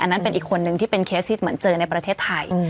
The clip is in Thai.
นั่นเป็นอีกคนนึงที่เป็นเคสที่เหมือนเจอในประเทศไทย